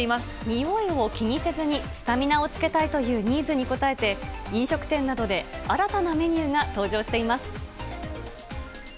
においを気にせずに、スタミナをつけたいというニーズに応えて、飲食店などで新たなメニューが登場しています。